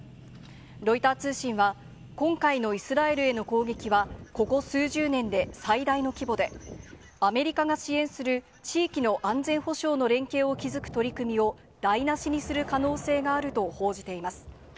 ロイター通信は、今回のイスラエルへの攻撃は、ここ数十年で最大の規模で、アメリカが支援する地域の安全保障の連携を築く取り組みを台なしにする可能性があると報じています。